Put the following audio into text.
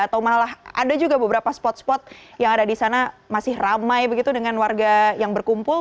atau malah ada juga beberapa spot spot yang ada di sana masih ramai begitu dengan warga yang berkumpul